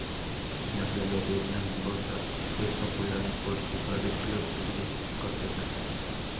La Playa d'en Bossa es popular por sus bares, clubes y discotecas.